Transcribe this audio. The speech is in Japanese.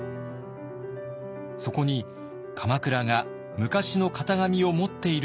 そこに鎌倉が昔の型紙を持っているという話が入ります。